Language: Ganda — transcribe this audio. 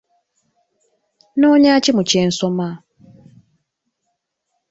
Nnoonya ki mu kye nsoma?